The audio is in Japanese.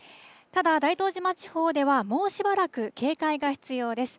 ただ、大東島地方ではもうしばらく警戒が必要です。